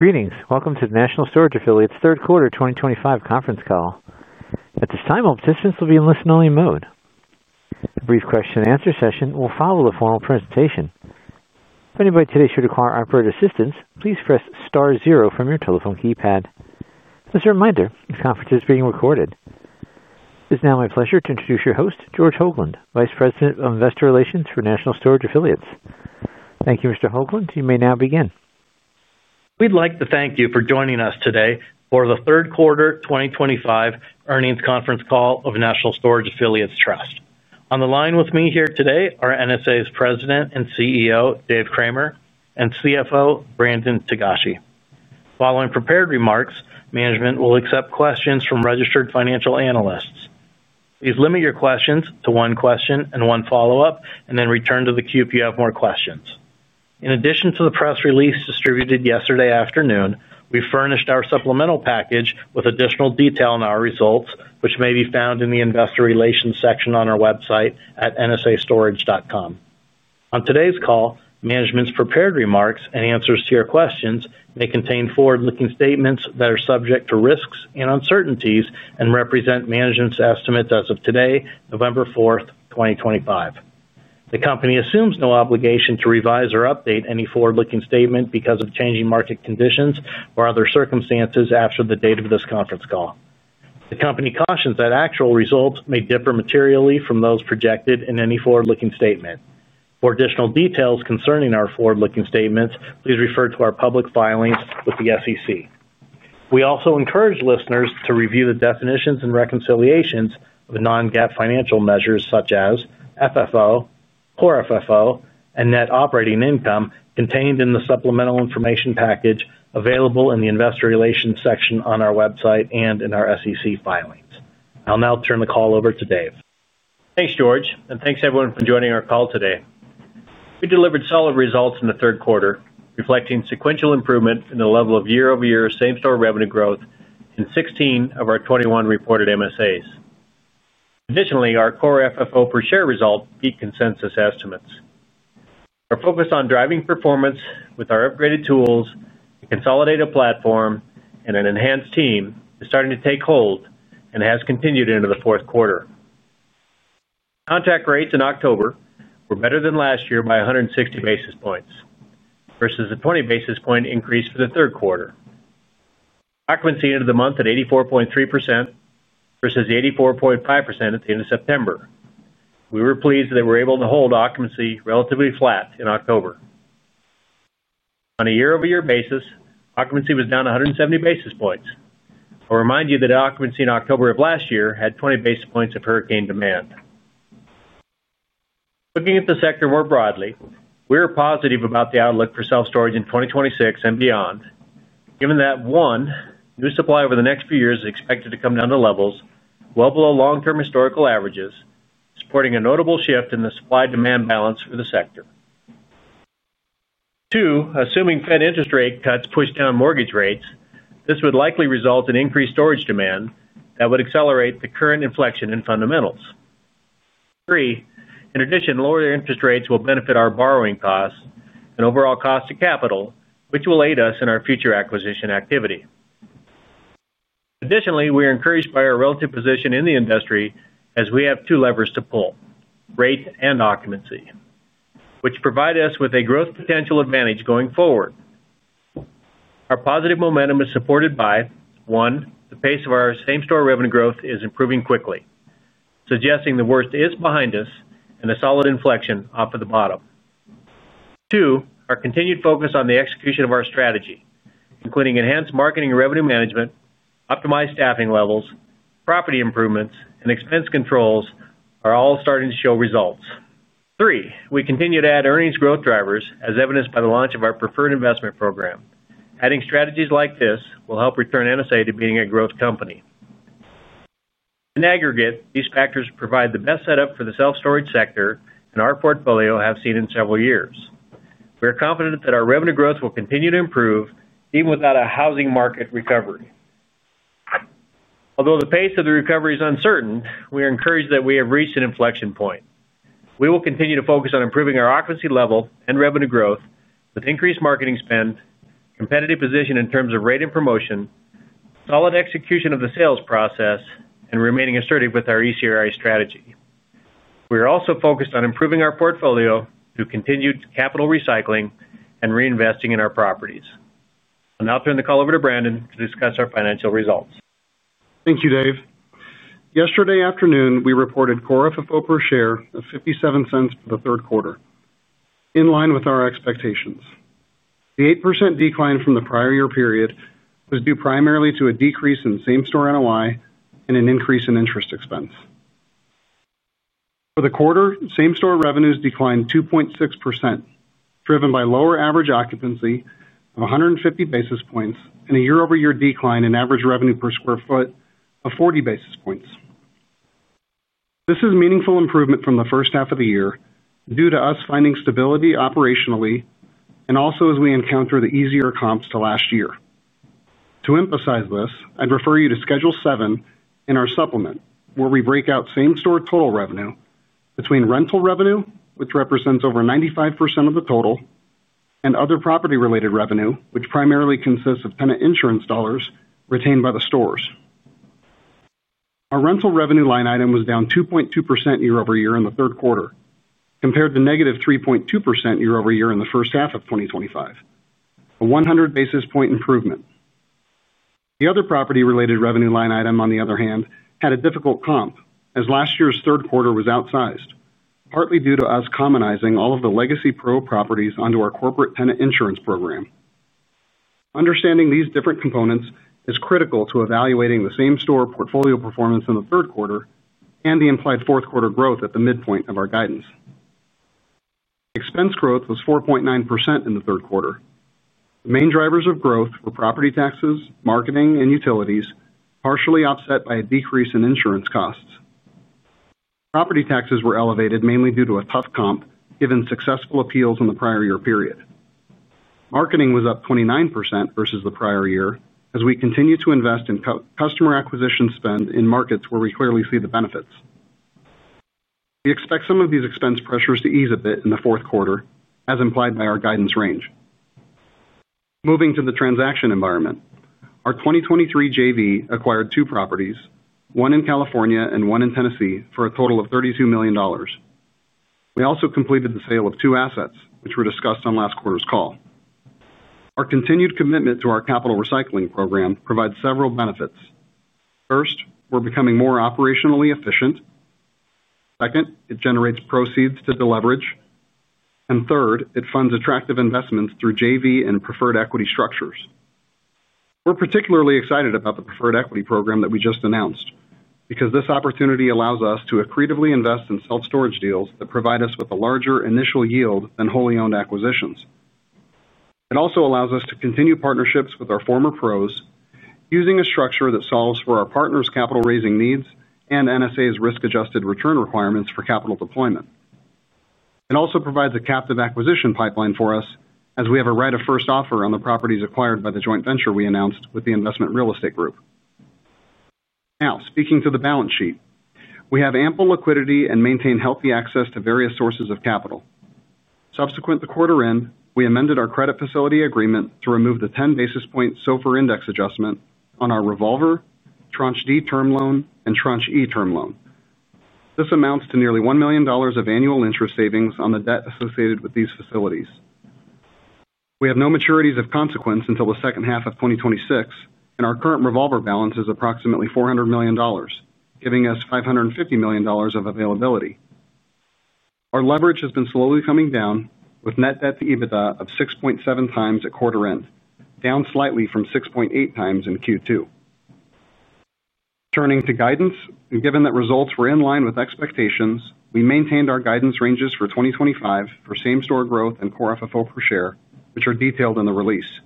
Greetings. Welcome to the National Storage Affiliates Third Quarter 2025 conference call. At this time, all participants will be in listen-only mode. A brief question-and-answer session will follow the formal presentation. If anybody today should require operator assistance, please press star zero from your telephone keypad. As a reminder, this conference is being recorded. It is now my pleasure to introduce your host, George Hogland, Vice President of Investor Relations for National Storage Affiliates. Thank you, Mr. Hoagland. You may now begin. We'd like to thank you for joining us today for the Third Quarter 2025 earnings conference call of National Storage Affiliates Trust. On the line with me here today are NSA's President and CEO, Dave Cramer, and CFO, Brandon Togashi. Following prepared remarks, management will accept questions from registered financial analysts. Please limit your questions to one question and one follow-up, and then return to the queue if you have more questions. In addition to the press release distributed yesterday afternoon, we've furnished our supplemental package with additional detail on our results, which may be found in the Investor Relations section on our website at nsastorage.com. On today's call, management's prepared remarks and answers to your questions may contain forward-looking statements that are subject to risks and uncertainties and represent management's estimates as of today, November 4th, 2025. The company assumes no obligation to revise or update any forward-looking statement because of changing market conditions or other circumstances after the date of this conference call. The company cautions that actual results may differ materially from those projected in any forward-looking statement. For additional details concerning our forward-looking statements, please refer to our public filings with the SEC. We also encourage listeners to review the definitions and reconciliations of non-GAAP financial measures such as FFO, Core FFO, and Net Operating Income contained in the supplemental information package available in the Investor Relations section on our website and in our SEC filings. I'll now turn the call over to Dave. Thanks, George, and thanks everyone for joining our call today. We delivered solid results in the third quarter, reflecting sequential improvement in the level of year-over-year same-store revenue growth in 16 of our 21 reported MSAs. Additionally, our Core FFO per share result beat consensus estimates. Our focus on driving performance with our upgraded tools, a consolidated platform, and an enhanced team is starting to take hold and has continued into the fourth quarter. Contract rates in October were better than last year by 160 basis points versus a 20 basis point increase for the third quarter. Occupancy ended the month at 84.3%, versus 84.5% at the end of September. We were pleased that we were able to hold occupancy relatively flat in October. On a year-over-year basis, occupancy was down 170 basis points. I'll remind you that occupancy in October of last year had 20 basis points of hurricane demand. Looking at the sector more broadly, we are positive about the outlook for self-storage in 2026 and beyond, given that, one, new supply over the next few years is expected to come down to levels well below long-term historical averages, supporting a notable shift in the supply-demand balance for the sector. Two, assuming Fed interest rate cuts push down mortgage rates, this would likely result in increased storage demand that would accelerate the current inflection in fundamentals. Three, in addition, lower interest rates will benefit our borrowing costs and overall cost to capital, which will aid us in our future acquisition activity. Additionally, we are encouraged by our relative position in the industry as we have two levers to pull: rate and occupancy, which provide us with a growth potential advantage going forward. Our positive momentum is supported by, one, the pace of our same-store revenue growth is improving quickly, suggesting the worst is behind us and a solid inflection off of the bottom. Two, our continued focus on the execution of our strategy, including enhanced marketing and revenue management, optimized staffing levels, property improvements, and expense controls, are all starting to show results. Three, we continue to add earnings growth drivers, as evidenced by the launch of our preferred investment program. Adding strategies like this will help return NSA to being a growth company. In aggregate, these factors provide the best setup for the self-storage sector and our portfolio has seen in several years. We are confident that our revenue growth will continue to improve even without a housing market recovery. Although the pace of the recovery is uncertain, we are encouraged that we have reached an inflection point. We will continue to focus on improving our occupancy level and revenue growth with increased marketing spend, competitive position in terms of rate and promotion, solid execution of the sales process, and remaining assertive with our ECRI strategy. We are also focused on improving our portfolio through continued capital recycling and reinvesting in our properties. I'll now turn the call over to Brandon to discuss our financial results. Thank you, Dave. Yesterday afternoon, we reported Core FFO per share of $0.57 for the third quarter, in line with our expectations. The 8% decline from the prior year period was due primarily to a decrease in same-store NOI and an increase in interest expense. For the quarter, same-store revenues declined 2.6%, driven by lower average occupancy of 150 basis points and a year-over-year decline in average revenue per square foot of 40 basis points. This is meaningful improvement from the first half of the year due to us finding stability operationally and also as we encounter the easier comps to last year. To emphasize this, I'd refer you to Schedule 7 in our supplement, where we break out same-store total revenue between rental revenue, which represents over 95% of the total, and other property-related revenue, which primarily consists of tenant insurance dollars retained by the stores. Our rental revenue line item was down 2.2% year-over-year in the third quarter, compared to -3.2% year-over-year in the first half of 2025, a 100 basis point improvement. The other property-related revenue line item, on the other hand, had a difficult comp as last year's third quarter was outsized, partly due to us commonizing all of the Legacy PRO Properties onto our corporate tenant insurance program. Understanding these different components is critical to evaluating the same-store portfolio performance in the third quarter and the implied fourth-quarter growth at the midpoint of our guidance. Expense growth was 4.9% in the third quarter. The main drivers of growth were property taxes, marketing, and utilities, partially offset by a decrease in insurance costs. Property taxes were elevated mainly due to a tough comp given successful appeals in the prior year period. Marketing was up 29% versus the prior year as we continue to invest in customer acquisition spend in markets where we clearly see the benefits. We expect some of these expense pressures to ease a bit in the fourth quarter, as implied by our guidance range. Moving to the transaction environment, our 2023 JV acquired two properties, one in California and one in Tennessee, for a total of $32 million. We also completed the sale of two assets, which were discussed on last quarter's call. Our continued commitment to our capital recycling program provides several benefits. First, we're becoming more operationally efficient. Second, it generates proceeds to the leverage. And third, it funds attractive investments through JV and preferred equity structures. We're particularly excited about the preferred equity program that we just announced because this opportunity allows us to accretively invest in self-storage deals that provide us with a larger initial yield than wholly owned acquisitions. It also allows us to continue partnerships with our former PROs, using a structure that solves for our partners' capital raising needs and NSA's risk-adjusted return requirements for capital deployment. It also provides a captive acquisition pipeline for us as we have a right of first offer on the properties acquired by the joint venture we announced with the Investment Real Estate Group. Now, speaking to the balance sheet, we have ample liquidity and maintain healthy access to various sources of capital. Subsequent to quarter-end, we amended our credit facility agreement to remove the 10 basis points SOFR index adjustment on our Revolver, Tranche D term loan, and Tranche E term loan. This amounts to nearly $1 million of annual interest savings on the debt associated with these facilities. We have no maturities of consequence until the second half of 2026, and our current Revolver balance is approximately $400 million, giving us $550 million of availability. Our leverage has been slowly coming down with net debt to EBITDA of 6.7x at quarter-end, down slightly from 6.8x in Q2. Turning to guidance, given that results were in line with expectations, we maintained our guidance ranges for 2025 for same-store growth and Core FFO per share, which are detailed in the release.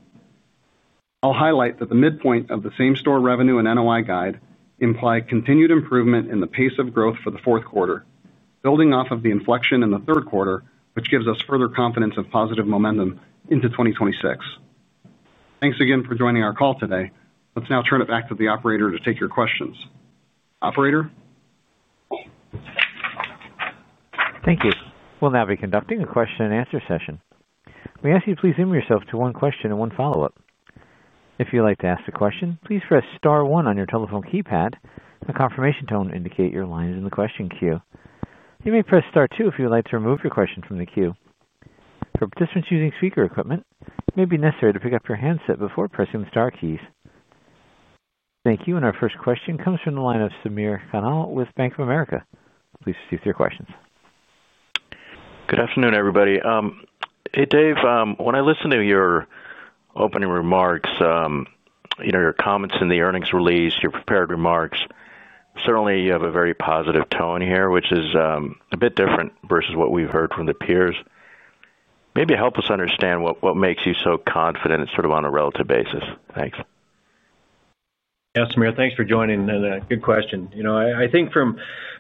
I'll highlight that the midpoint of the same-store revenue and NOI guide implies continued improvement in the pace of growth for the fourth quarter, building off of the inflection in the third quarter, which gives us further confidence of positive momentum into 2026. Thanks again for joining our call today. Let's now turn it back to the operator to take your questions. Operator. Thank you. We'll now be conducting a question-and-answer session. We ask you to please limit yourself to one question and one follow-up. If you'd like to ask a question, please press star one on your telephone keypad. You will hear a confirmation tone to indicate your line is in the question queue. You may press star two if you'd like to remove your question from the queue. For participants using speaker equipment, it may be necessary to pick up your handset before pressing the star keys. Thank you. And our first question comes from the line of Samir Khanal with Bank of America. Please proceed with your questions. Good afternoon, everybody. Hey, Dave, when I listen to your opening remarks, your comments in the earnings release, your prepared remarks, certainly you have a very positive tone here, which is a bit different versus what we've heard from the peers. Maybe help us understand what makes you so confident sort of on a relative basis. Thanks. Yeah, Samir, thanks for joining. And a good question. I think from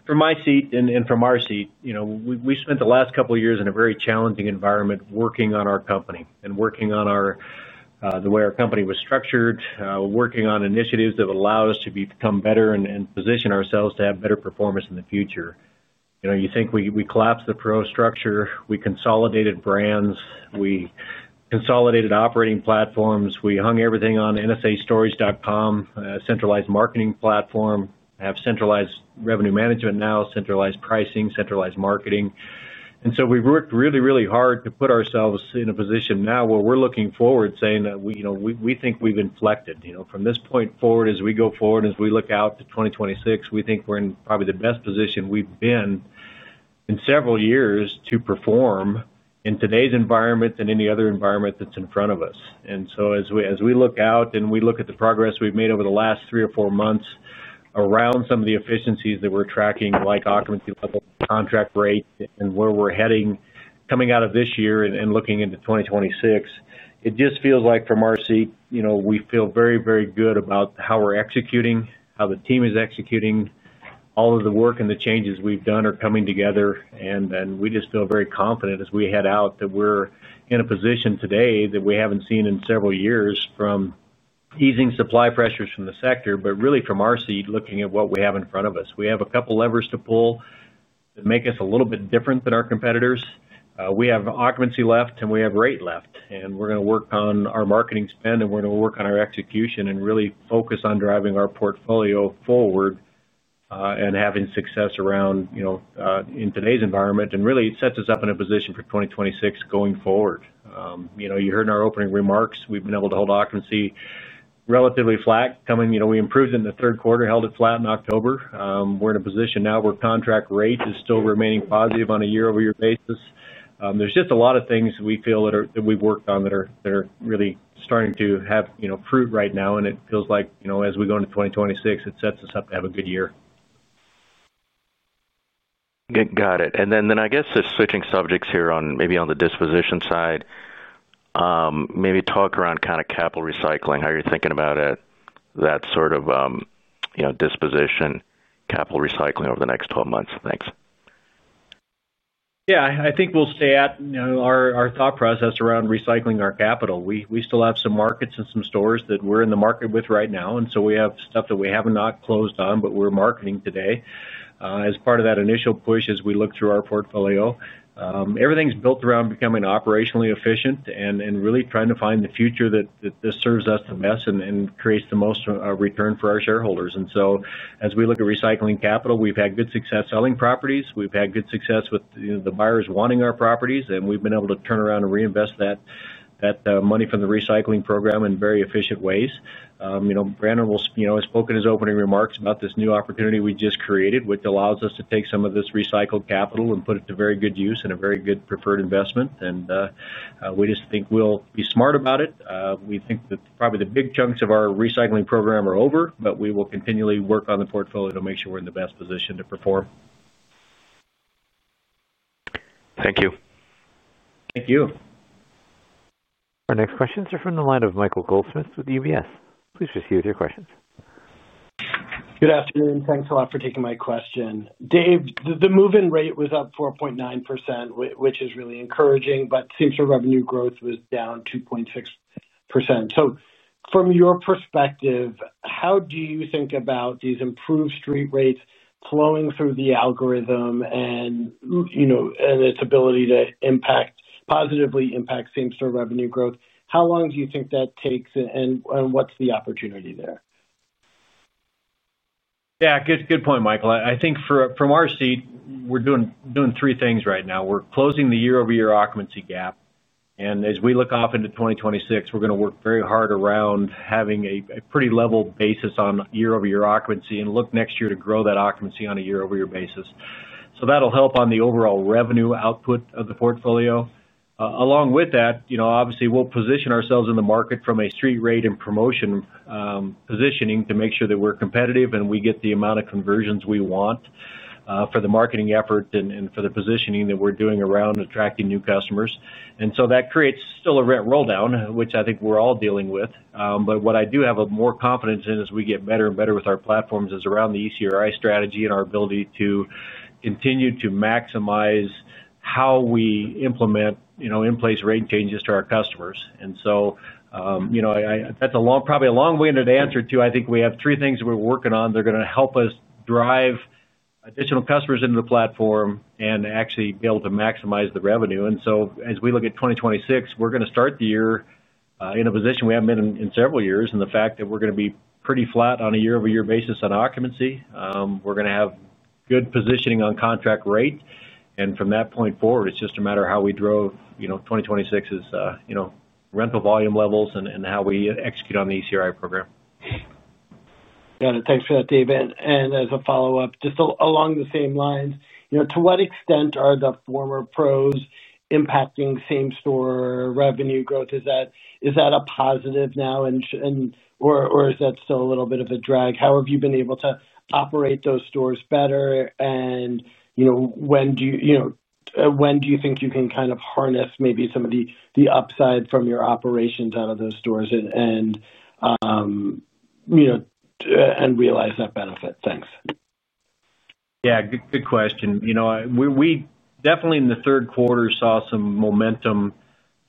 my seat and from our seat, we spent the last couple of years in a very challenging environment working on our company and working on the way our company was structured, working on initiatives that would allow us to become better and position ourselves to have better performance in the future. You think we collapsed the pro structure, we consolidated brands, we consolidated operating platforms, we hung everything on nsastorage.com, a centralized marketing platform, have centralized revenue management now, centralized pricing, centralized marketing. And so we've worked really, really hard to put ourselves in a position now where we're looking forward saying that we think we've inflected. From this point forward, as we go forward, as we look out to 2026, we think we're in probably the best position we've been in several years to perform in today's environment and any other environment that's in front of us. And so as we look out and we look at the progress we've made over the last three or four months around some of the efficiencies that we're tracking, like occupancy level, contract rate, and where we're heading coming out of this year and looking into 2026, it just feels like from our seat, we feel very, very good about how we're executing, how the team is executing. All of the work and the changes we've done are coming together, and we just feel very confident as we head out that we're in a position today that we haven't seen in several years from easing supply pressures from the sector, but really from our seat looking at what we have in front of us. We have a couple of levers to pull that make us a little bit different than our competitors. We have occupancy left and we have rate left, and we're going to work on our marketing spend and we're going to work on our execution and really focus on driving our portfolio forward and having success around in today's environment. And really, it sets us up in a position for 2026 going forward. You heard in our opening remarks, we've been able to hold occupancy relatively flat. We improved in the third quarter, held it flat in October. We're in a position now where contract rate is still remaining positive on a year-over-year basis. There's just a lot of things we feel that we've worked on that are really starting to have fruit right now, and it feels like as we go into 2026, it sets us up to have a good year. Got it. And then I guess just switching subjects here on maybe on the disposition side, maybe talk around kind of capital recycling, how you're thinking about it, that sort of. Disposition, capital recycling over the next 12 months. Thanks. Yeah, I think we'll stay at our thought process around recycling our capital. We still have some markets and some stores that we're in the market with right now, and so we have stuff that we have not closed on, but we're marketing today as part of that initial push as we look through our portfolio. Everything's built around becoming operationally efficient and really trying to find the future that serves us the best and creates the most return for our shareholders. And so as we look at recycling capital, we've had good success selling properties. We've had good success with the buyers wanting our properties, and we've been able to turn around and reinvest that money from the recycling program in very efficient ways. Brandon has spoken in his opening remarks about this new opportunity we just created, which allows us to take some of this recycled capital and put it to very good use and a very good preferred investment. And we just think we'll be smart about it. We think that probably the big chunks of our recycling program are over, but we will continually work on the portfolio to make sure we're in the best position to perform. Thank you. Thank you. Our next questions are from the line of Michael Goldsmith with UBS. Please proceed with your questions. Good afternoon. Thanks a lot for taking my question. Dave, the move-in rate was up 4.9%, which is really encouraging, but same-store revenue growth was down 2.6%. So from your perspective, how do you think about these improved street rates flowing through the algorithm and its ability to positively impact same-store revenue growth? How long do you think that takes, and what's the opportunity there? Yeah, good point, Michael. I think from our seat, we're doing three things right now. We're closing the year-over-year occupancy gap. And as we look off into 2026, we're going to work very hard around having a pretty level basis on year-over-year occupancy and look next year to grow that occupancy on a year-over-year basis. So that'll help on the overall revenue output of the portfolio. Along with that, obviously, we'll position ourselves in the market from a street rate and promotion positioning to make sure that we're competitive and we get the amount of conversions we want for the marketing effort and for the positioning that we're doing around attracting new customers. And so that creates still a rent roll-down, which I think we're all dealing with. But what I do have more confidence in as we get better and better with our platforms is around the ECRI strategy and our ability to continue to maximize how we implement in-place rate changes to our customers. And so that's probably a long-winded answer to, I think we have three things we're working on. They're going to help us drive additional customers into the platform and actually be able to maximize the revenue. And so as we look at 2026, we're going to start the year in a position we haven't been in several years and the fact that we're going to be pretty flat on a year-over-year basis on occupancy. We're going to have good positioning on contract rate. And from that point forward, it's just a matter of how we draw 2026's rental volume levels and how we execute on the ECRI program. Got it. Thanks for that, David. And as a follow-up, just along the same lines, to what extent are the former pros impacting same-store revenue growth? Is that a positive now? Or is that still a little bit of a drag? How have you been able to operate those stores better? And when do you think you can kind of harness maybe some of the upside from your operations out of those stores and realize that benefit? Thanks. Yeah, good question. We definitely in the third quarter saw some momentum.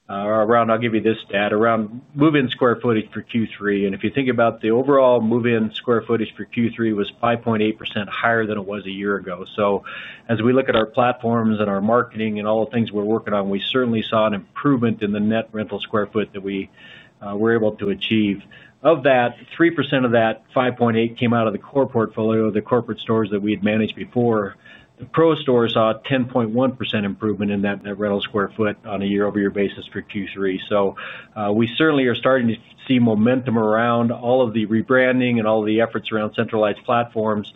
Around, I'll give you this stat, around move-in sq ft for Q3. And if you think about the overall move-in sq ft for Q3 was 5.8% higher than it was a year ago. So as we look at our platforms and our marketing and all the things we're working on, we certainly saw an improvement in the net rental sq ft that we were able to achieve. Of that, 3% of that 5.8% came out of the core portfolio, the corporate stores that we had managed before. The pro stores saw a 10.1% improvement in that rental sq ft on a year-over-year basis for Q3. So we certainly are starting to see momentum around all of the rebranding and all of the efforts around centralized platforms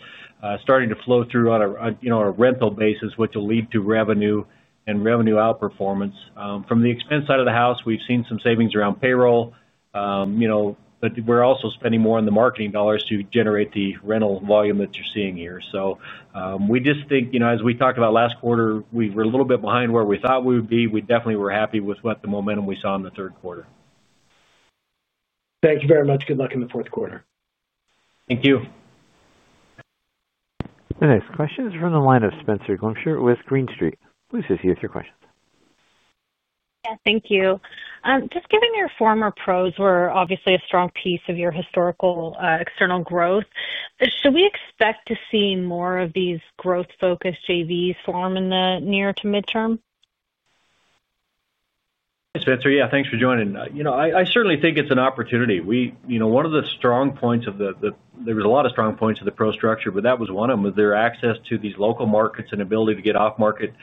starting to flow through on a rental basis, which will lead to revenue and revenue outperformance. From the expense side of the house, we've seen some savings around payroll. But we're also spending more on the marketing dollars to generate the rental volume that you're seeing here. So we just think, as we talked about last quarter, we were a little bit behind where we thought we would be. We definitely were happy with what the momentum we saw in the third quarter. Thank you very much. Good luck in the fourth quarter. Thank you. The next question is from the line of Spencer Glimsher with Green Street. Please proceed with your questions. Yeah, thank you. Just given your former JVs were obviously a strong piece of your historical external growth, should we expect to see more of these growth-focused JVs form in the near to midterm? Thanks, Spencer. Yeah, thanks for joining. I certainly think it's an opportunity. One of the strong points of the - there was a lot of strong points of the pro structure, but that was one of them - was their access to these local markets and ability to get off-market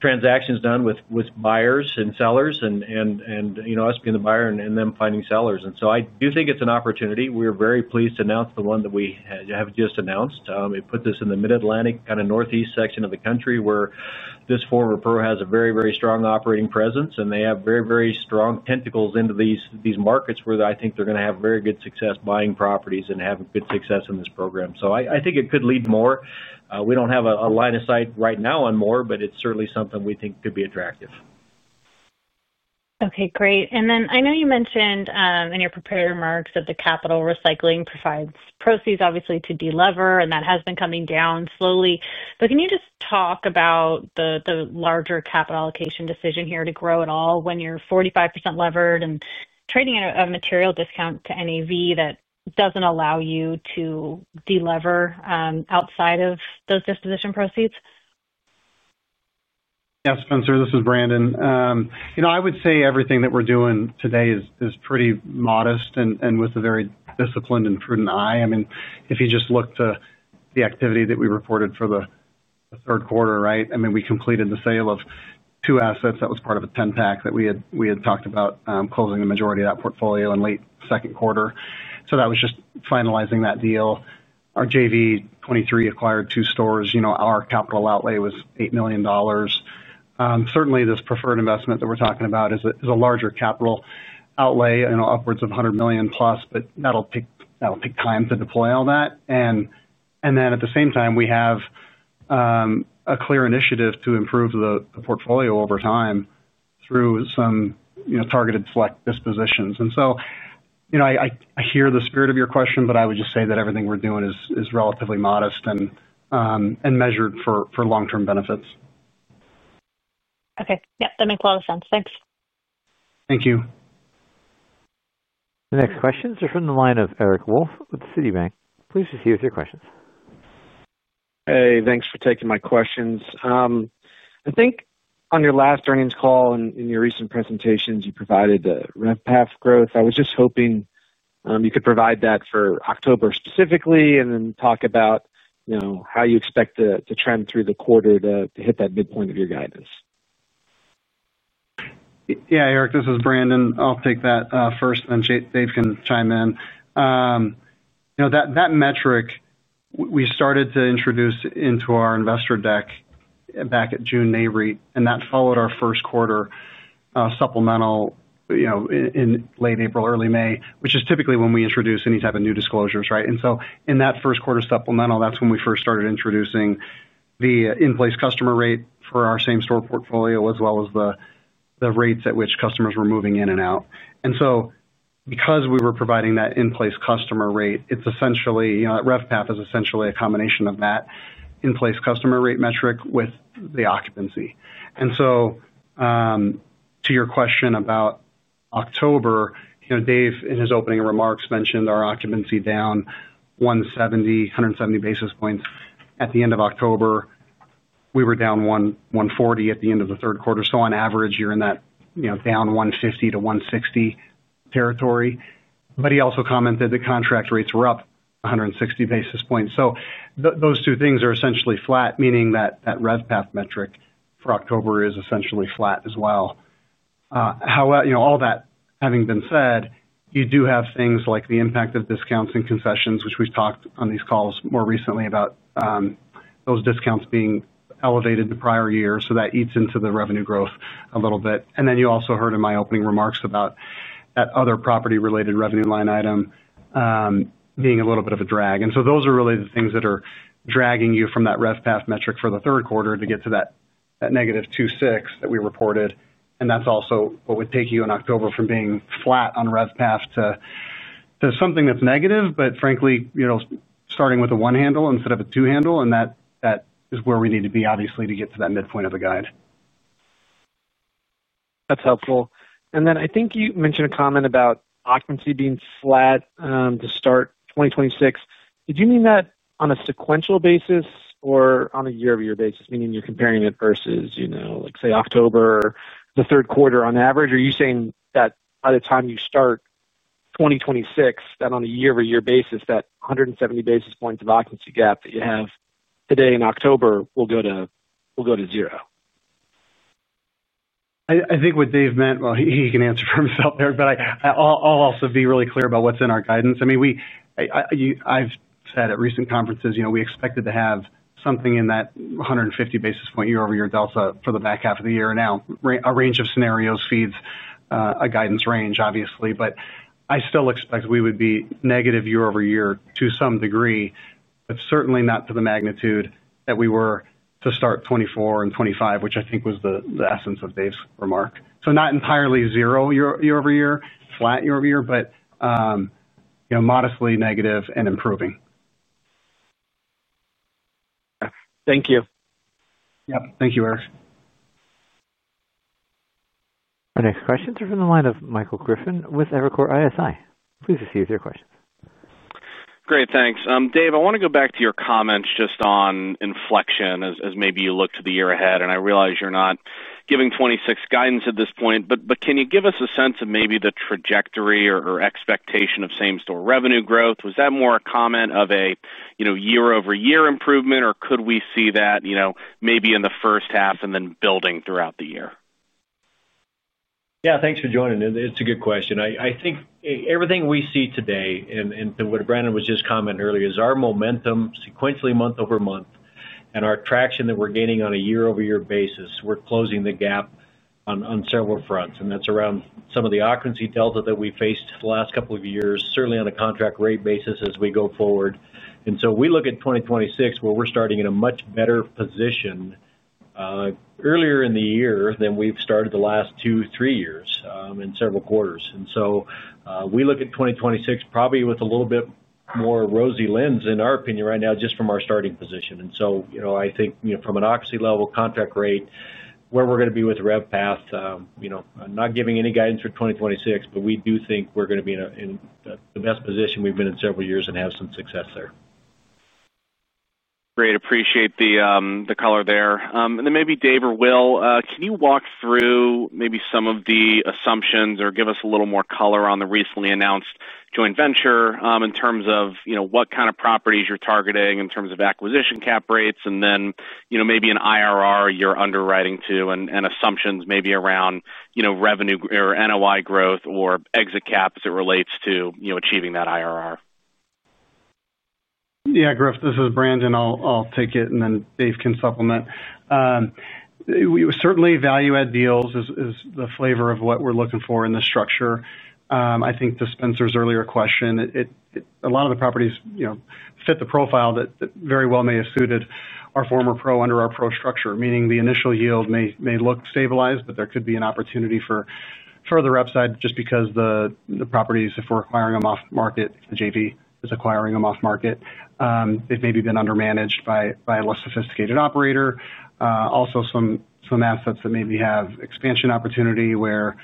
transactions done with buyers and sellers and us being the buyer and them finding sellers. And so I do think it's an opportunity. We're very pleased to announce the one that we have just announced. It puts us in the Mid-Atlantic, kind of northeast section of the country where this former pro has a very, very strong operating presence, and they have very, very strong tentacles into these markets where I think they're going to have very good success buying properties and have good success in this program. So I think it could lead to more. We don't have a line of sight right now on more, but it's certainly something we think could be attractive. Okay, great. And then I know you mentioned in your prepared remarks that the capital recycling provides proceeds, obviously, to delever, and that has been coming down slowly. But can you just talk about the larger capital allocation decision here to grow at all when you're 45% levered and trading at a material discount to NAV that doesn't allow you to delever outside of those disposition proceeds? Yeah, Spencer, this is Brandon. I would say everything that we're doing today is pretty modest and with a very disciplined and prudent eye. I mean, if you just look to the activity that we reported for the third quarter, right? I mean, we completed the sale of two assets that was part of a 10-pack that we had talked about closing the majority of that portfolio in late second quarter. So that was just finalizing that deal. Our JV 2023 acquired two stores. Our capital outlay was $8 million. Certainly, this preferred investment that we're talking about is a larger capital outlay upwards of $100 million plus, but that'll take time to deploy all that. And then at the same time, we have a clear initiative to improve the portfolio over time through some targeted select dispositions. And so, I hear the spirit of your question, but I would just say that everything we're doing is relatively modest and measured for long-term benefits. Okay. Yep, that makes a lot of sense. Thanks. Thank you. The next questions are from the line of Eric Wolfe with Citibank. Please proceed with your questions. Hey, thanks for taking my questions. I think on your last earnings call and in your recent presentations, you provided the rent path growth. I was just hoping you could provide that for October specifically and then talk about how you expect the trend through the quarter to hit that midpoint of your guidance? Yeah, Eric, this is Brandon. I'll take that first, and then Dave can chime in. That metric, we started to introduce into our investor deck back at June May read, and that followed our first quarter supplemental. In late April, early May, which is typically when we introduce any type of new disclosures, right? And so in that first quarter supplemental, that's when we first started introducing the in-place customer rate for our same-store portfolio, as well as the rates at which customers were moving in and out. And so because we were providing that in-place customer rate, it's essentially, RevPAR is essentially a combination of that in-place customer rate metric with the occupancy. And so to your question about October, Dave, in his opening remarks, mentioned our occupancy down 170 basis points at the end of October. We were down 140 at the end of the third quarter. So on average, you're in that down 150-160 territory. But he also commented that contract rates were up 160 basis points. So those two things are essentially flat, meaning that that RevPAR metric for October is essentially flat as well. All that having been said, you do have things like the impact of discounts and concessions, which we've talked on these calls more recently about. Those discounts being elevated to prior years. So that eats into the revenue growth a little bit. And then you also heard in my opening remarks about that other property-related revenue line item being a little bit of a drag. And so those are really the things that are dragging you from that RevPAR metric for the third quarter to get to that negative 2.6 that we reported. And that's also what would take you in October from being flat on RevPAR to something that's negative, but frankly starting with a one-handle instead of a two-handle. And that is where we need to be, obviously, to get to that midpoint of the guide. That's helpful. And then I think you mentioned a comment about occupancy being flat to start 2026. Did you mean that on a sequential basis or on a year-over-year basis, meaning you're comparing it versus, say, October or the third quarter on average? Are you saying that by the time you start 2026, that on a year-over-year basis, that 170 basis points of occupancy gap that you have today in October will go to zero? I think what Dave meant, well, he can answer for himself, Eric, but I'll also be really clear about what's in our guidance. I mean. I've said at recent conferences, we expected to have something in that 150 basis point year-over-year delta for the back half of the year. Now, a range of scenarios feeds a guidance range, obviously, but I still expect we would be negative year-over-year to some degree, but certainly not to the magnitude that we were to start 2024 and 2025, which I think was the essence of Dave's remark, so not entirely zero year-over-year, flat year-over-year, but modestly negative and improving. Thank you. Yep. Thank you, Eric. The next questions are from the line of Michael Griffin with Evercore ISI. Please proceed with your questions. Great. Thanks. Dave, I want to go back to your comments just on inflection as maybe you look to the year ahead. And I realize you're not giving 2026 guidance at this point, but can you give us a sense of maybe the trajectory or expectation of same-store revenue growth? Was that more a comment of a year-over-year improvement, or could we see that maybe in the first half and then building throughout the year? Yeah, thanks for joining. It's a good question. I think everything we see today, and what Brandon was just commenting earlier, is our momentum sequentially month over month and our traction that we're gaining on a year-over-year basis. We're closing the gap on several fronts, and that's around some of the occupancy delta that we faced the last couple of years, certainly on a contract rate basis as we go forward. And so we look at 2026 where we're starting in a much better position earlier in the year than we've started the last two, three years in several quarters. And so we look at 2026 probably with a little bit more rosy lens in our opinion right now just from our starting position. And so I think from an occupancy level, contract rate, where we're going to be with RevPAR. I'm not giving any guidance for 2026, but we do think we're going to be in the best position we've been in several years and have some success there. Great. Appreciate the color there. And then maybe Dave or Will, can you walk through maybe some of the assumptions or give us a little more color on the recently announced joint venture in terms of what kind of properties you're targeting in terms of acquisition cap rates and then maybe an IRR you're underwriting to and assumptions maybe around revenue or NOI growth or exit cap as it relates to achieving that IRR? Yeah, Griff, this is Brandon. I'll take it, and then Dave can supplement. Certainly, value-add deals is the flavor of what we're looking for in the structure. I think to Spencer's earlier question, a lot of the properties fit the profile that very well may have suited our former pro under our pro structure, meaning the initial yield may look stabilized, but there could be an opportunity for further upside just because the properties, if we're acquiring them off-market, the JV is acquiring them off-market. They've maybe been undermanaged by a less sophisticated operator. Also, some assets that maybe have expansion opportunity where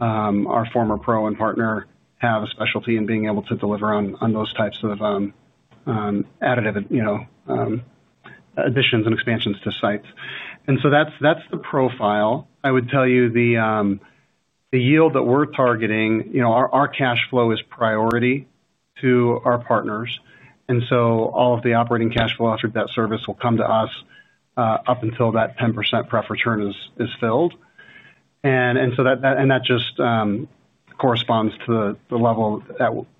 our former pro and partner have a specialty in being able to deliver on those types of additive additions and expansions to sites. And so that's the profile. I would tell you the yield that we're targeting. Our cash flow is priority to our partners. And so all of the operating cash flow after that service will come to us up until that 10% preference return is filled. And that just corresponds to the level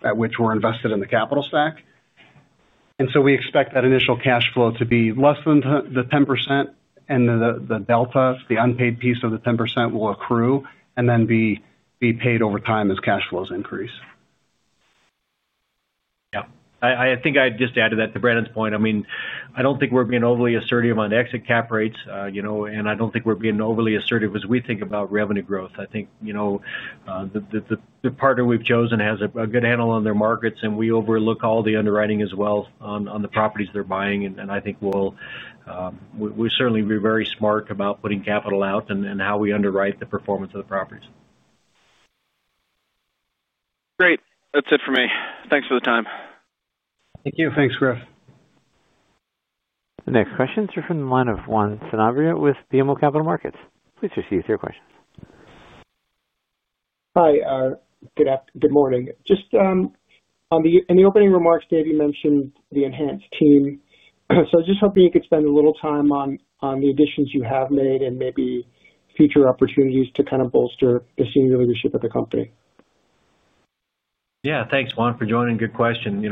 at which we're invested in the capital stack. And so we expect that initial cash flow to be less than the 10%, and the delta, the unpaid piece of the 10%, will accrue and then be paid over time as cash flows increase. Yeah. I think I'd just add to that, to Brandon's point. I mean, I don't think we're being overly assertive on exit cap rates, and I don't think we're being overly assertive as we think about revenue growth. I think. The partner we've chosen has a good handle on their markets, and we oversee all the underwriting as well on the properties they're buying. And I think we'll certainly be very smart about putting capital out and how we underwrite the performance of the properties. Great. That's it for me. Thanks for the time. Thank you. Thanks, Griffin. The next questions are from the line of Juan Sanabria with BMO Capital Markets. Please proceed with your questions. Hi. Good morning. Just in the opening remarks, Dave, you mentioned the enhanced team. So I was just hoping you could spend a little time on the additions you have made and maybe future opportunities to kind of bolster the senior leadership of the company. Yeah. Thanks, Juan, for joining. Good question.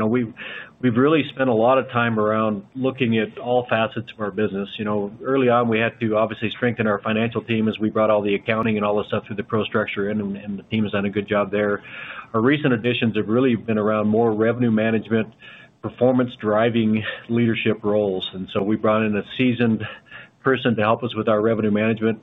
We've really spent a lot of time around looking at all facets of our business. Early on, we had to obviously strengthen our financial team as we brought all the accounting and all this stuff through the pro structure, and the team has done a good job there. Our recent additions have really been around more revenue management. Performance-driving leadership roles. And so we brought in a seasoned person to help us with our revenue management.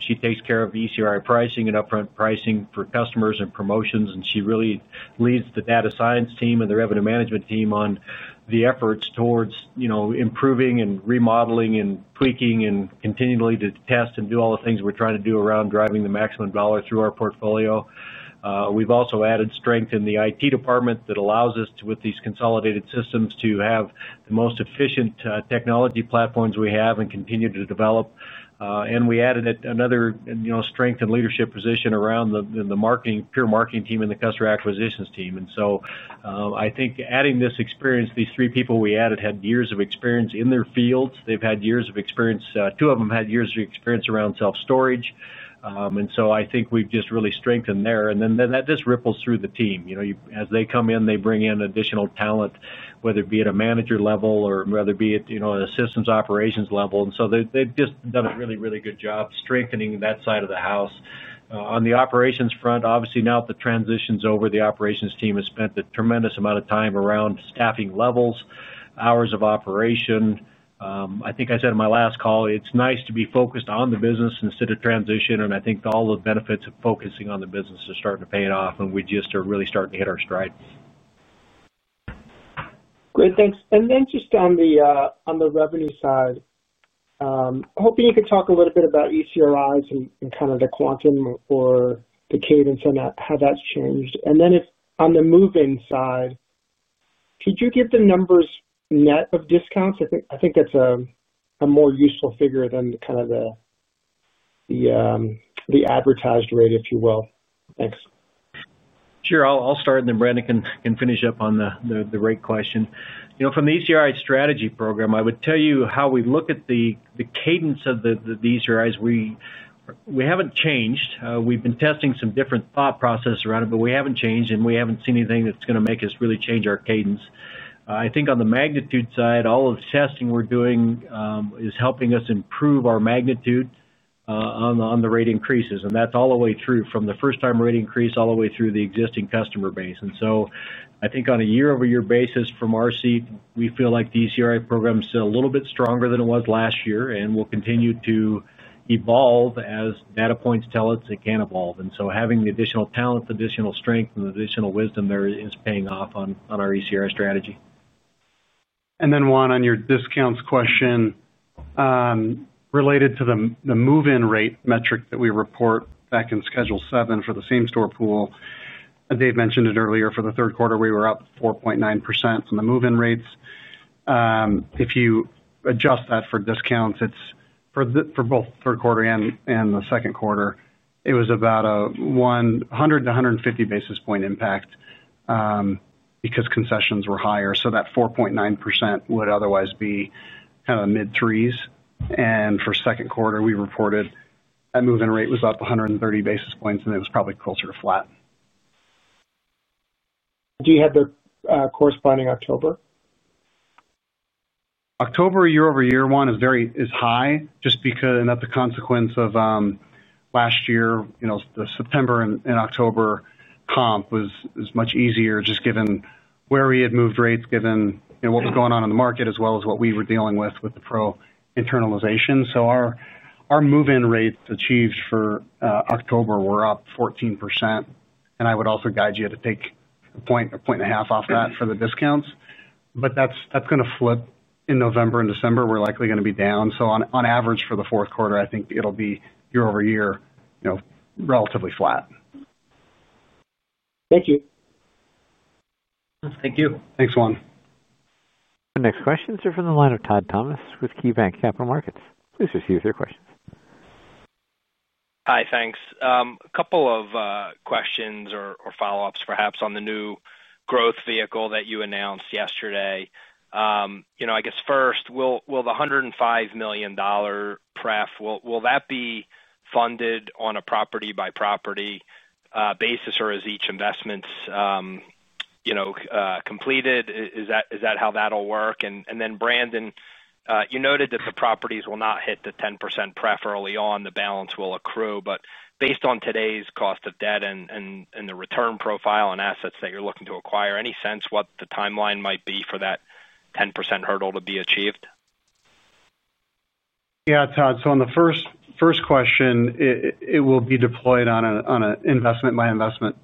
She takes care of ECRI pricing and upfront pricing for customers and promotions, and she really leads the data science team and the revenue management team on the efforts towards improving and remodeling and tweaking and continually to test and do all the things we're trying to do around driving the maximum dollar through our portfolio. We've also added strength in the IT department that allows us, with these consolidated systems, to have the most efficient technology platforms we have and continue to develop. And we added another strength in leadership position around the marketing, peer marketing team, and the customer acquisitions team. And so I think adding this experience, these three people we added had years of experience in their fields. They've had years of experience. Two of them had years of experience around self-storage. And so I think we've just really strengthened there. And then this ripples through the team. As they come in, they bring in additional talent, whether it be at a manager level or whether it be at a systems operations level. And so they've just done a really, really good job strengthening that side of the house. On the operations front, obviously, now that the transition's over, the operations team has spent a tremendous amount of time around staffing levels, hours of operation. I think I said in my last call, it's nice to be focused on the business instead of transition. And I think all the benefits of focusing on the business are starting to pay off, and we just are really starting to hit our stride. Great. Thanks. And then just on the revenue side, hoping you could talk a little bit about ECRIs and kind of the quantum or the cadence and how that's changed. And then on the move-in side, could you give the numbers net of discounts? I think that's a more useful figure than kind of the advertised rate, if you will. Thanks. Sure. I'll start, and then Brandon can finish up on the rate question. From the ECRI strategy program, I would tell you how we look at the cadence of the ECRIs. We haven't changed. We've been testing some different thought process around it, but we haven't changed, and we haven't seen anything that's going to make us really change our cadence. I think on the magnitude side, all of the testing we're doing is helping us improve our magnitude on the rate increases, and that's all the way through from the first-time rate increase all the way through the existing customer base. And so I think on a year-over-year basis from our seat, we feel like the ECRI program is a little bit stronger than it was last year and will continue to evolve as data points tell it it can evolve. Having the additional talent, the additional strength, and the additional wisdom there is paying off on our ECRI strategy. And then, Juan, on your discounts question. Related to the move-in rate metric that we report back in schedule seven for the same-store pool, Dave mentioned it earlier. For the third quarter, we were up 4.9% on the move-in rates. If you adjust that for discounts, for both third quarter and the second quarter, it was about a 100-150 basis point impact. Because concessions were higher. So that 4.9% would otherwise be kind of mid-threes. And for second quarter, we reported that move-in rate was up 130 basis points, and it was probably closer to flat. Do you have the corresponding October? October year-over-year, Juan, is high just because that's a consequence of last year the September and October comp was much easier just given where we had moved rates, given what was going on in the market, as well as what we were dealing with with the pro internalization. So our move-in rates achieved for October were up 14%. And I would also guide you to take a point and a half off that for the discounts. But that's going to flip in November and December. We're likely going to be down. So on average, for the fourth quarter, I think it'll be year-over-year relatively flat. Thank you. Thank you. Thanks, Juan. The next questions are from the line of Todd Thomas with KeyBanc Capital Markets. Please proceed with your questions. Hi, thanks. A couple of questions or follow-ups, perhaps, on the new growth vehicle that you announced yesterday. I guess first, will the $105 million pref will that be funded on a property-by-property basis or as each investment's completed? Is that how that'll work? And then Brandon, you noted that the properties will not hit the 10% pref early on. The balance will accrue. But based on today's cost of debt and the return profile and assets that you're looking to acquire, any sense what the timeline might be for that 10% hurdle to be achieved? Yeah, Todd. So on the first question, it will be deployed on an investment-by-investment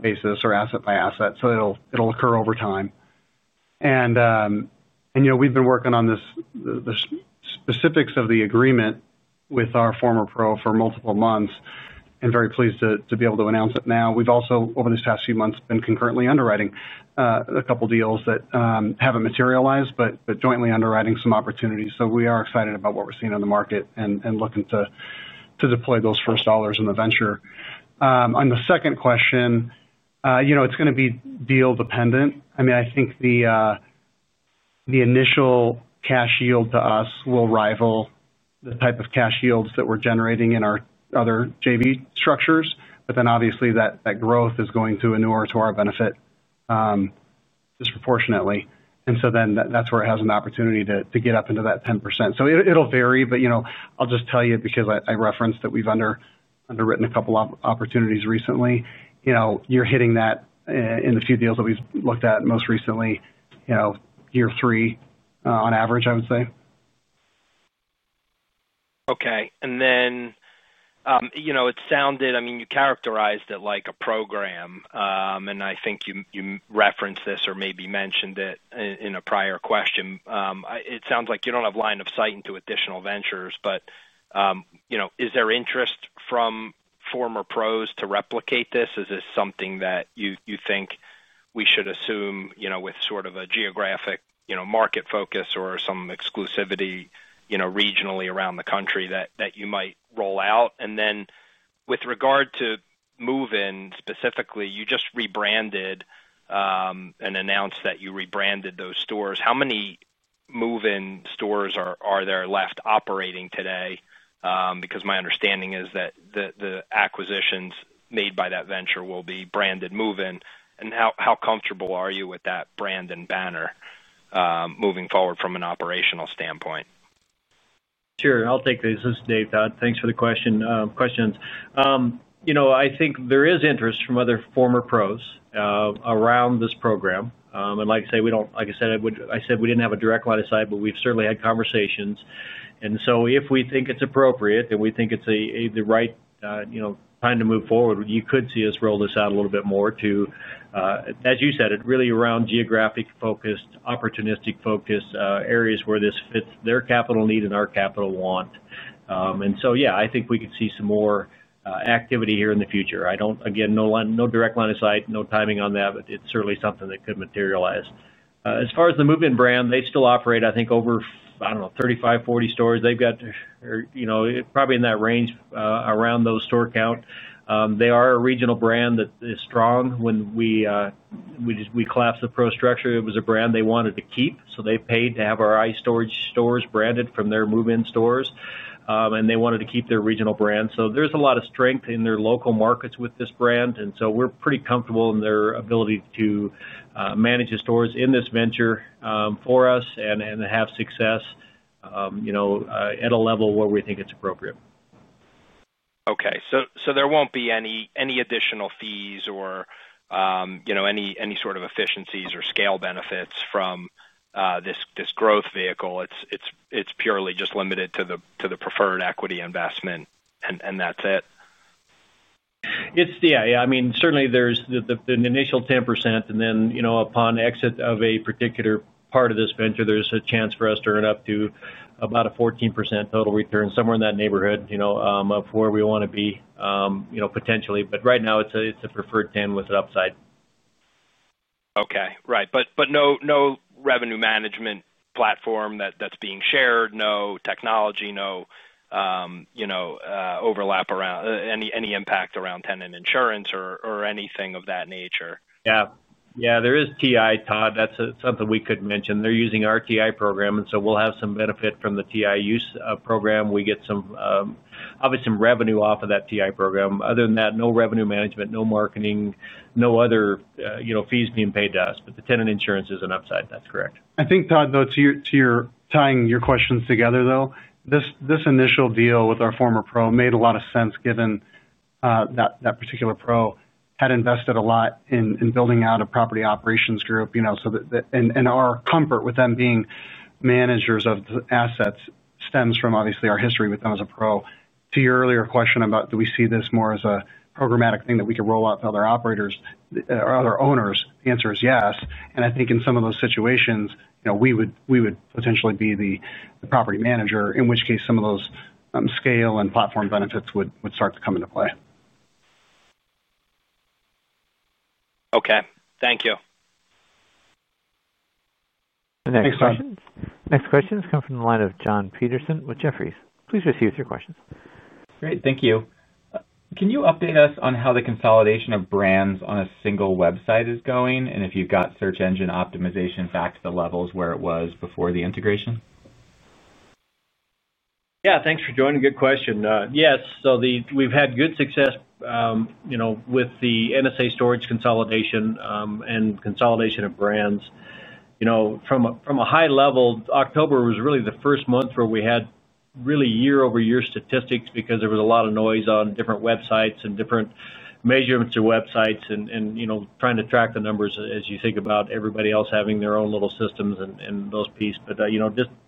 basis or asset-by-asset. So it'll occur over time. We've been working on the specifics of the agreement with our former partner for multiple months and very pleased to be able to announce it now. We've also, over these past few months, been concurrently underwriting a couple of deals that haven't materialized, but jointly underwriting some opportunities. So we are excited about what we're seeing in the market and looking to deploy those first dollars in the venture. On the second question. It's going to be deal-dependent. I mean, I think the initial cash yield to us will rival the type of cash yields that we're generating in our other JV structures. But then, obviously, that growth is going to inure to our benefit disproportionately. And so then that's where it has an opportunity to get up into that 10%. So it'll vary, but I'll just tell you because I referenced that we've underwritten a couple of opportunities recently. You're hitting that in a few deals that we've looked at most recently. Year three, on average, I would say. Okay. And then. It sounded, I mean, you characterized it like a program. And I think you referenced this or maybe mentioned it in a prior question. It sounds like you don't have line of sight into additional ventures, but. Is there interest from former pros to replicate this? Is this something that you think we should assume with sort of a geographic market focus or some exclusivity regionally around the country that you might roll out? And then with regard to move-in specifically, you just rebranded. And announced that you rebranded those stores. How many move-in stores are there left operating today? Because my understanding is that the acquisitions made by that venture will be branded move-in. And how comfortable are you with that brand and banner moving forward from an operational standpoint? Sure. I'll take this. This is Dave, Todd. Thanks for the questions. I think there is interest from other former pros around this program. And like I say, we don't—like I said, we didn't have a direct line of sight, but we've certainly had conversations. And so if we think it's appropriate and we think it's the right time to move forward, you could see us roll this out a little bit more to, as you said, it really around geographic-focused, opportunistic-focused areas where this fits their capital need and our capital want. And so, yeah, I think we could see some more activity here in the future. Again, no direct line of sight, no timing on that, but it's certainly something that could materialize. As far as the Move In brand, they still operate, I think, over, I don't know, 35 stores-40 stores. They've got probably in that range around those store count. They are a regional brand that is strong. When we collapsed the OpCo structure, it was a brand they wanted to keep. So they paid to have our iStorage stores branded from their Move In stores. And they wanted to keep their regional brand. So there's a lot of strength in their local markets with this brand. And so we're pretty comfortable in their ability to manage the stores in this venture for us and have success at a level where we think it's appropriate. Okay. So there won't be any additional fees or any sort of efficiencies or scale benefits from this growth vehicle. It's purely just limited to the preferred equity investment, and that's it? Yeah. I mean, certainly, there's the initial 10%, and then upon exit of a particular part of this venture, there's a chance for us to earn up to about a 14% total return, somewhere in that neighborhood of where we want to be potentially. But right now, it's a preferred 10 with an upside. Okay. Right. But no revenue management platform that's being shared, no technology, no overlap around any impact around tenant insurance or anything of that nature? Yeah. Yeah. There is TI, Todd. That's something we could mention. They're using our TI program, and so we'll have some benefit from the TI use program. We get some, obviously, some revenue off of that TI program. Other than that, no revenue management, no marketing, no other fees being paid to us. But the tenant insurance is an upside. That's correct. I think, Todd, though, to your tying your questions together, though, this initial deal with our former pro made a lot of sense given that particular pro had invested a lot in building out a property operations group, and our comfort with them being managers of the assets stems from, obviously, our history with them as a pro. To your earlier question about do we see this more as a programmatic thing that we could roll out to other operators or other owners, the answer is yes, and I think in some of those situations, we would potentially be the property manager, in which case some of those scale and platform benefits would start to come into play. Okay. Thank you. Next questions come from the line of John Peterson with Jefferies. Please proceed with your questions. Great. Thank you. Can you update us on how the consolidation of brands on a single website is going and if you've got search engine optimization back to the levels where it was before the integration? Yeah. Thanks for joining. Good question. Yes. So we've had good success with the NSA storage consolidation and consolidation of brands. From a high level, October was really the first month where we had really year-over-year statistics because there was a lot of noise on different websites and different measurements of websites and trying to track the numbers as you think about everybody else having their own little systems and those pieces. But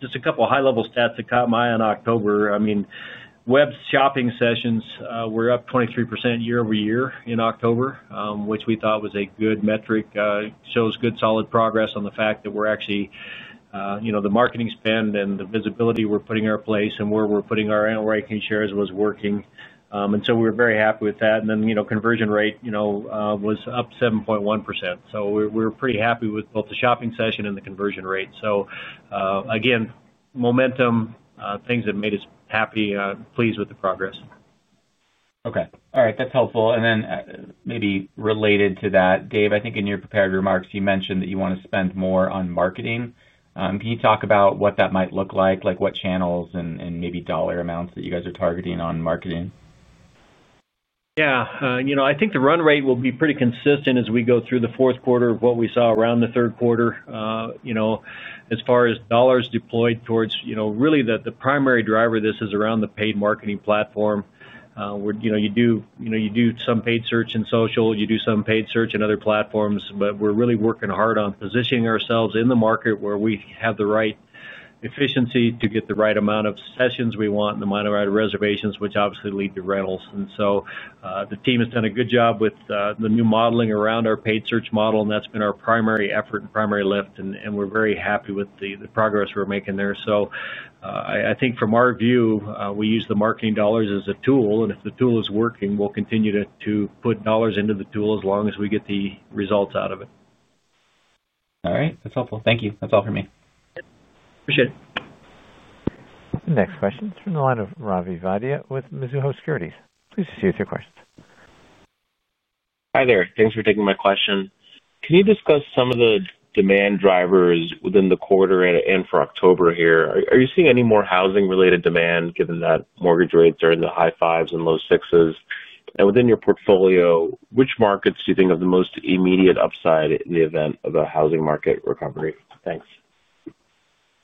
just a couple of high-level stats that caught my eye in October. I mean, web shopping sessions were up 23% year-over-year in October, which we thought was a good metric. It shows good solid progress on the fact that we're actually driving the marketing spend and the visibility we're putting in place and where we're putting our analytics was working. And so we were very happy with that. And then conversion rate was up 7.1%. So we were pretty happy with both the shopping session and the conversion rate. So again, momentum, things that made us happy, pleased with the progress. Okay. All right. That's helpful, and then maybe related to that, Dave, I think in your prepared remarks, you mentioned that you want to spend more on marketing. Can you talk about what that might look like, like what channels and maybe dollar amounts that you guys are targeting on marketing? Yeah. I think the run rate will be pretty consistent as we go through the fourth quarter of what we saw around the third quarter. As far as dollars deployed towards really the primary driver, this is around the paid marketing platform. You do some paid search in social, you do some paid search in other platforms, but we're really working hard on positioning ourselves in the market where we have the right efficiency to get the right amount of sessions we want and the amount of reservations, which obviously lead to rentals. And so the team has done a good job with the new modeling around our paid search model, and that's been our primary effort and primary lift. And we're very happy with the progress we're making there. So I think from our view, we use the marketing dollars as a tool. And if the tool is working, we'll continue to put dollars into the tool as long as we get the results out of it. All right. That's helpful. Thank you. That's all for me. Appreciate it. The next question is from the line of Ravi Vaidya with Mizuho Securities. Please proceed with your questions. Hi there. Thanks for taking my question. Can you discuss some of the demand drivers within the quarter and for October here? Are you seeing any more housing-related demand given that mortgage rates are in the high fives and low sixes? And within your portfolio, which markets do you think have the most immediate upside in the event of a housing market recovery?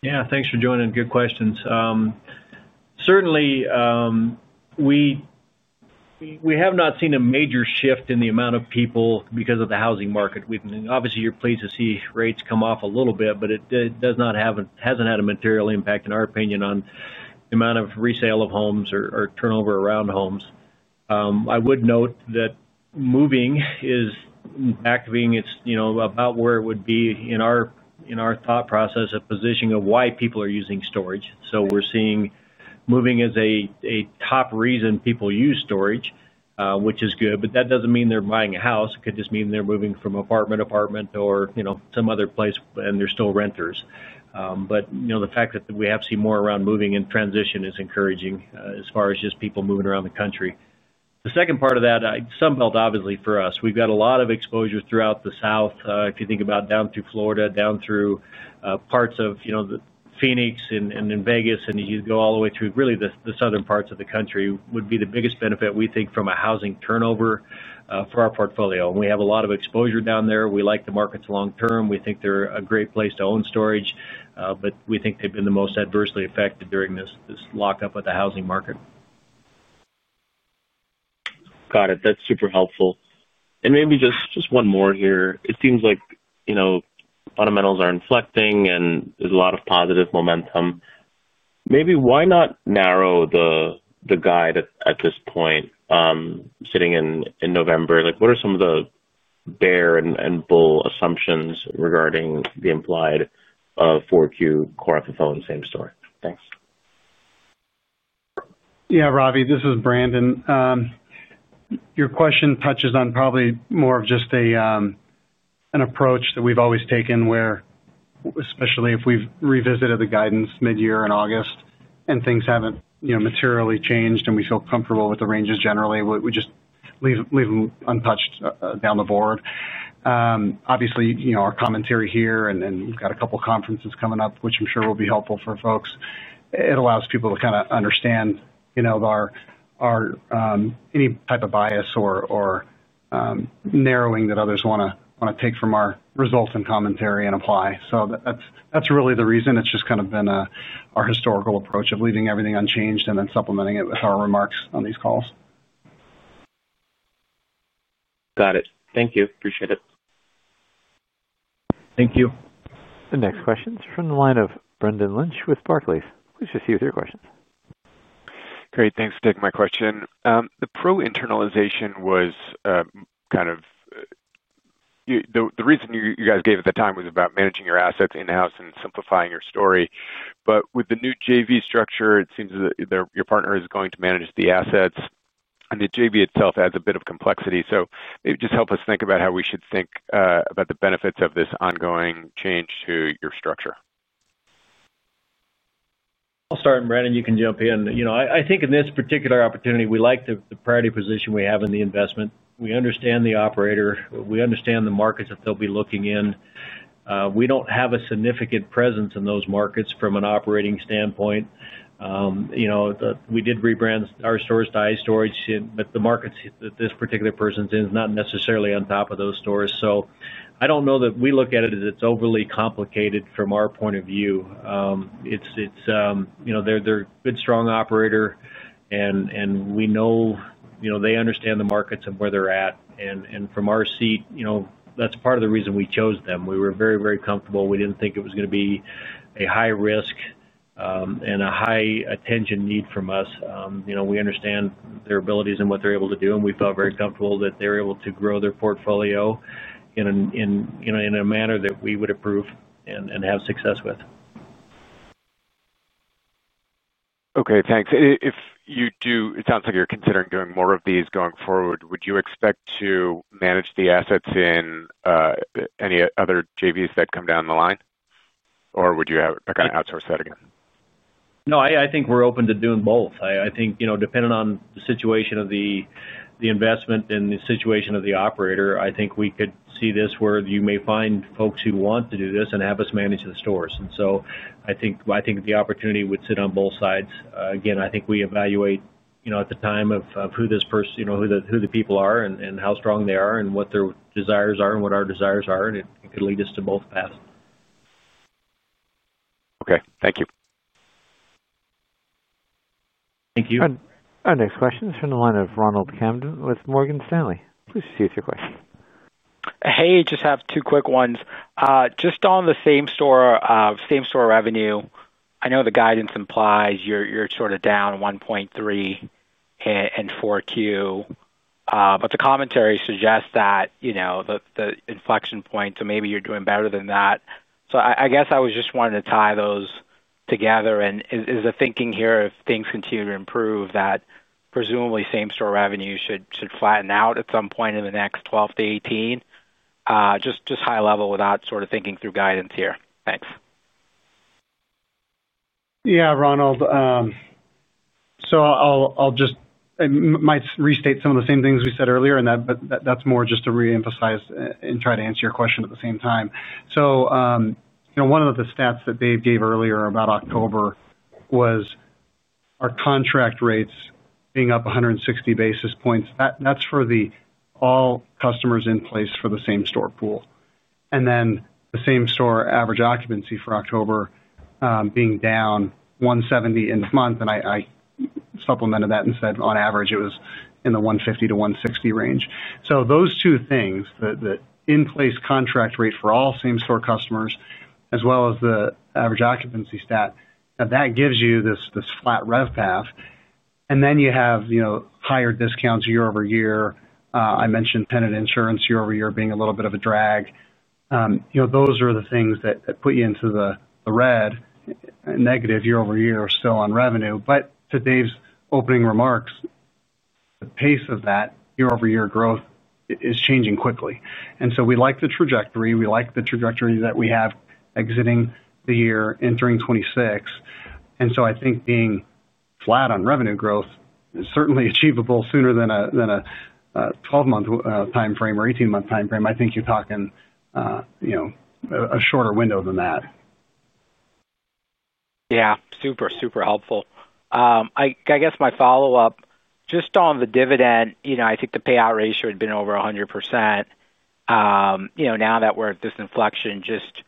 Thanks. Yeah. Thanks for joining. Good questions. Certainly. We have not seen a major shift in the amount of people because of the housing market. Obviously, you're pleased to see rates come off a little bit, but it hasn't had a material impact, in our opinion, on the amount of resale of homes or turnover around homes. I would note that moving is activating about where it would be in our thought process of positioning of why people are using storage. So we're seeing moving as a top reason people use storage, which is good. But that doesn't mean they're buying a house. It could just mean they're moving from apartment to apartment or some other place, and they're still renters. But the fact that we have seen more around moving and transition is encouraging as far as just people moving around the country. The second part of that, Sunbelt, obviously, for us, we've got a lot of exposure throughout the south. If you think about down through Florida, parts of Phoenix and in Vegas, and you go all the way through really the southern parts of the country, would be the biggest benefit, we think, from a housing turnover for our portfolio. And we have a lot of exposure down there. We like the markets long-term. We think they're a great place to own storage, but we think they've been the most adversely affected during this lockup of the housing market. Got it. That's super helpful. And maybe just one more here. It seems like fundamentals are inflecting and there's a lot of positive momentum. Maybe why not narrow the guide at this point, sitting in November? What are some of the bear and bull assumptions regarding the implied 4Q Core FFO same-store? Thanks. Yeah, Ravi, this is Brandon. Your question touches on probably more of just an approach that we've always taken where, especially if we've revisited the guidance mid-year in August and things haven't materially changed and we feel comfortable with the ranges generally, we just leave them untouched across the board. Obviously, our commentary here and we've got a couple of conferences coming up, which I'm sure will be helpful for folks. It allows people to kind of understand our any type of bias or narrowing that others want to take from our results and commentary and apply. So that's really the reason. It's just kind of been our historical approach of leaving everything unchanged and then supplementing it with our remarks on these calls. Got it. Thank you. Appreciate it. Thank you. The next question is from the line of Brendan Lynch with Barclays. Please proceed with your questions. Great. Thanks for taking my question. The prior internalization was kind of the reason you guys gave at the time was about managing your assets in-house and simplifying your story. But with the new JV structure, it seems that your partner is going to manage the assets. And the JV itself adds a bit of complexity. So it just helps us think about how we should think about the benefits of this ongoing change to your structure. I'll start, Brandon. You can jump in. I think in this particular opportunity, we like the priority position we have in the investment. We understand the operator. We understand the markets that they'll be looking in. We don't have a significant presence in those markets from an operating standpoint. We did rebrand our stores to NSA Storage, but the markets that this particular person's in is not necessarily on top of those stores. So I don't know that we look at it as it's overly complicated from our point of view. They're a good, strong operator, and we know they understand the markets and where they're at. And from our seat, that's part of the reason we chose them. We were very, very comfortable. We didn't think it was going to be a high risk. And a high attention need from us. We understand their abilities and what they're able to do, and we felt very comfortable that they were able to grow their portfolio. In a manner that we would approve and have success with. Okay. Thanks. If you do, it sounds like you're considering doing more of these going forward. Would you expect to manage the assets in any other JVs that come down the line? Or would you have to kind of outsource that again? No, I think we're open to doing both. I think depending on the situation of the investment and the situation of the operator, I think we could see this where you may find folks who want to do this and have us manage the stores. And so I think the opportunity would sit on both sides. Again, I think we evaluate at the time of who this person, who the people are, and how strong they are, and what their desires are, and what our desires are. And it could lead us to both paths. Okay. Thank you. Thank you. Our next question is from the line of Ronald Kamdem with Morgan Stanley. Please proceed with your question. Hey, I just have two quick ones. Just on the same store revenue, I know the guidance implies you're sort of down 1.3% in 4Q. But the commentary suggests that the inflection point, so maybe you're doing better than that, so I guess I was just wanting to tie those together, and is the thinking here if things continue to improve that presumably same store revenue should flatten out at some point in the next 12 to 18? Just high level without sort of thinking through guidance here. Thanks. Yeah, Ronald. So I'll just restate some of the same things we said earlier, but that's more just to reemphasize and try to answer your question at the same time. So one of the stats that Dave gave earlier about October was our contract rates being up 160 basis points. That's for all customers in place for the same store pool. And then the same store average occupancy for October being down 170 in the month. And I supplemented that and said on average it was in the 150-160 range. So those two things, the in-place contract rate for all same store customers, as well as the average occupancy stat, that gives you this flat rev path. And then you have higher discounts year-over-year. I mentioned tenant insurance year-over-year being a little bit of a drag. Those are the things that put you into the red. Negative year-over-year or still on revenue. But to Dave's opening remarks, the pace of that year-over-year growth is changing quickly. And so we like the trajectory. We like the trajectory that we have exiting the year, entering 2026. And so I think being flat on revenue growth is certainly achievable sooner than a 12-month time frame or 18-month time frame. I think you're talking a shorter window than that. Yeah. Super, super helpful. I guess my follow-up, just on the dividend, I think the payout ratio had been over 100%. Now that we're at this inflection, just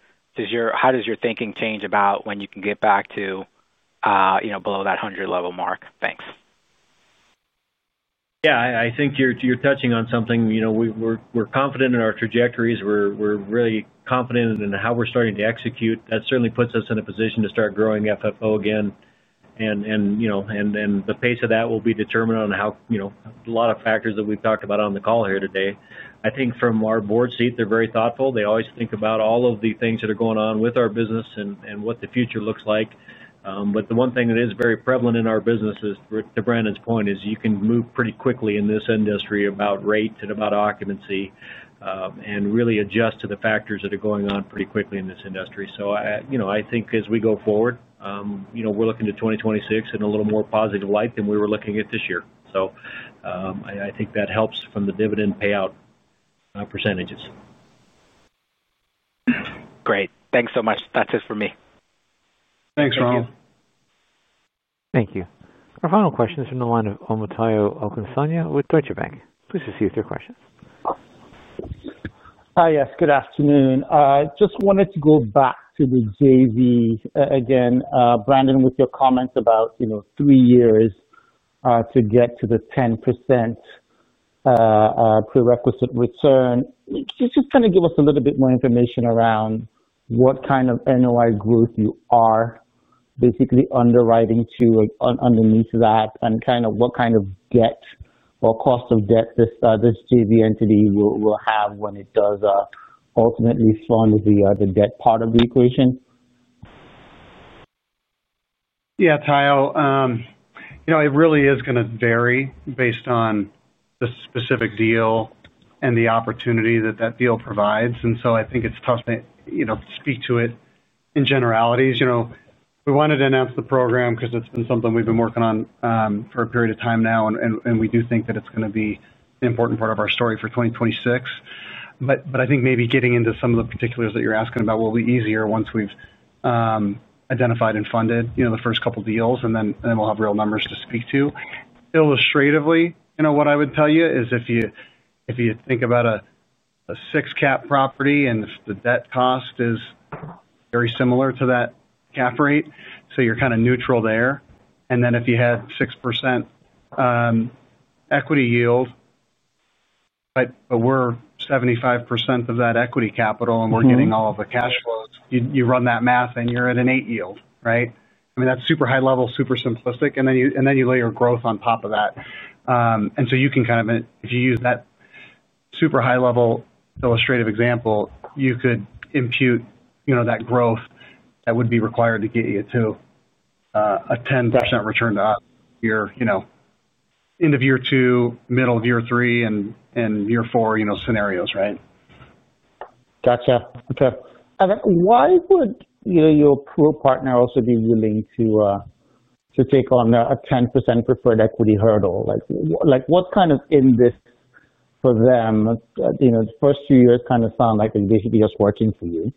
how does your thinking change about when you can get back to below that 100-level mark? Thanks. Yeah. I think you're touching on something. We're confident in our trajectories. We're really confident in how we're starting to execute. That certainly puts us in a position to start growing FFO again. And the pace of that will be determined on how a lot of factors that we've talked about on the call here today. I think from our board seat, they're very thoughtful. They always think about all of the things that are going on with our business and what the future looks like. But the one thing that is very prevalent in our business, to Brandon's point, is you can move pretty quickly in this industry about rates and about occupancy. And really adjust to the factors that are going on pretty quickly in this industry. So I think as we go forward. We're looking to 2026 in a little more positive light than we were looking at this year. So I think that helps from the dividend payout percentages. Great. Thanks so much. That's it for me. Thanks, Ronald. Thank you. Our final question is from the line of Omotayo Okusanya with Deutsche Bank. Please proceed with your questions. Hi, yes. Good afternoon. Just wanted to go back to the JV again. Brandon, with your comments about three years to get to the 10% preferred return, just kind of give us a little bit more information around what kind of NOI growth you are basically underwriting to underneath that and kind of what kind of debt or cost of debt this JV entity will have when it does ultimately fund the debt part of the equation. Yeah, Omotayo, it really is going to vary based on the specific deal and the opportunity that that deal provides. And so I think it's tough to speak to it in generalities. We wanted to announce the program because it's been something we've been working on for a period of time now, and we do think that it's going to be an important part of our story for 2026. But I think maybe getting into some of the particulars that you're asking about will be easier once we've identified and funded the first couple of deals, and then we'll have real numbers to speak to. Illustratively, what I would tell you is if you think about a six-cap property and if the debt cost is very similar to that cap rate, so you're kind of neutral there. And then if you had 6% equity yield, but we're 75% of that equity capital, and we're getting all of the cash flows, you run that math, and you're at an 8% yield, right? I mean, that's super high level, super simplistic, and then you layer growth on top of that. And so you can kind of, if you use that super high-level illustrative example, you could impute that growth that would be required to get you to a 10% return to end of year two, middle of year three, and year four scenarios, right? Gotcha. Okay. Why would your pool partner also be willing to take on a 10% preferred equity hurdle? What's in it for them? The first few years kind of sound like they're basically just working for you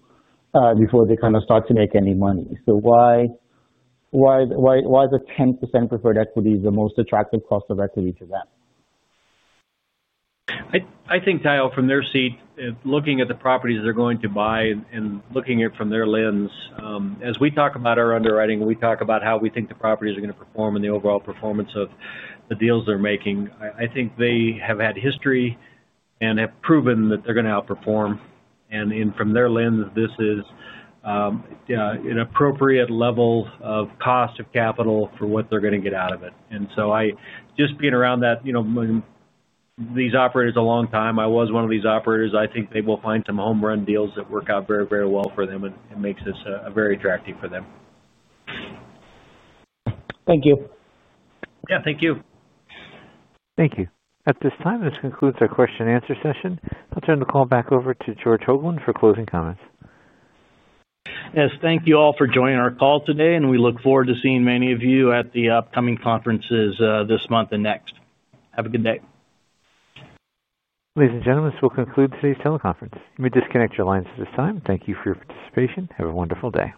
before they kind of start to make any money. So why is a 10% preferred equity the most attractive cost of equity to them? I think, Omotayo, from their seat, looking at the properties they're going to buy and looking at it from their lens, as we talk about our underwriting, we talk about how we think the properties are going to perform and the overall performance of the deals they're making. I think they have had history and have proven that they're going to outperform, and from their lens, this is an appropriate level of cost of capital for what they're going to get out of it. And so just being around these operators a long time, I was one of these operators. I think they will find some home-run deals that work out very, very well for them and makes this very attractive for them. Thank you. Yeah, thank you. Thank you. At this time, this concludes our question-and-answer session. I'll turn the call back over to George Hoagland for closing comments. Yes, thank you all for joining our call today, and we look forward to seeing many of you at the upcoming conferences this month and next. Have a good day. Ladies and gentlemen, this will conclude today's teleconference. You may disconnect your lines at this time. Thank you for your participation. Have a wonderful day.